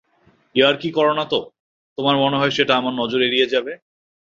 ইয়ার্কি করো না তো, তোমার মনে হয় সেটা আমার নজর এড়িয়ে যাবে?